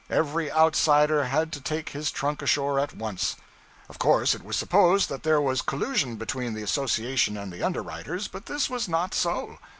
Every outsider had to take his trunk ashore at once. Of course it was supposed that there was collusion between the association and the underwriters, but this was not so.